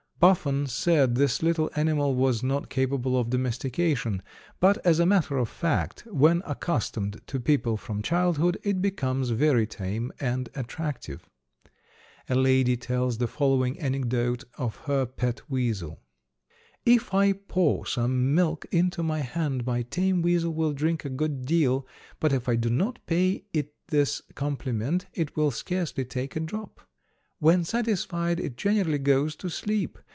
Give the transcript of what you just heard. Buffon said this little animal was not capable of domestication, but as a matter of fact, when accustomed to people from childhood, it becomes very tame and attractive. A lady tells the following anecdote of her pet weasel: "If I pour some milk into my hand my tame weasel will drink a good deal, but if I do not pay it this compliment it will scarcely take a drop. When satisfied it generally goes to sleep.